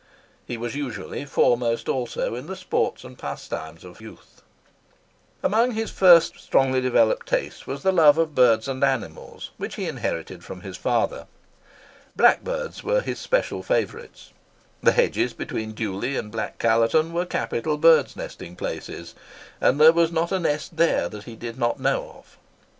He was usually foremost also in the sports and pastimes of youth. Among his first strongly developed tastes was the love of birds and animals, which he inherited from his father. Blackbirds were his special favourites. The hedges between Dewley and Black Callerton were capital bird nesting places; and there was not a nest there that he did not know of.